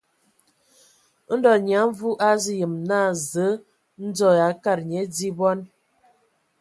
Ndɔ Nyia Mvu a azu yem naa Zǝǝ ndzo e akad nye di bɔn.